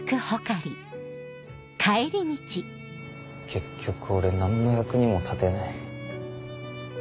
結局俺何の役にも立てない。